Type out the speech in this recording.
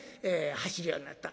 走るようになった。